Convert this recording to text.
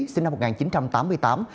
sinh năm một nghìn chín trăm tám mươi tám